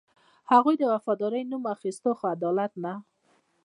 هغوی د وفادارۍ نوم اخیسته، خو عدالت نه.